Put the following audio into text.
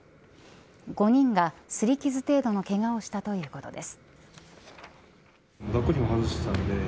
５人がすり傷程度のけがをしたということです。